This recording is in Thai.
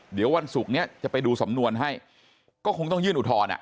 เดี๋ยววันศุกร์นี้จะไปดูสำนวนให้ก็คงต้องยื่นอุทธรณ์อ่ะ